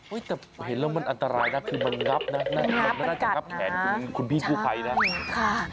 เฮ้ยแต่เห็นแล้วมันอันตรายนะคือมันรับนะมันรับแขนคุณพี่กู้ภัยนะ